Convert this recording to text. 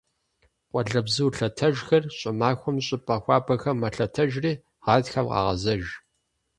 Къуалэбзу лъэтэжхэр щӀымахуэм щӀыпӀэ хуабэхэм мэлъэтэжри гъатхэм къагъэзэж.